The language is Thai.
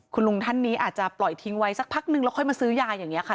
คุณลุงท่านนี้อาจจะปล่อยทิ้งไว้สักพักนึงแล้วค่อยมาซื้อยาอย่างนี้ค่ะ